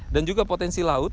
dan juga potensi laut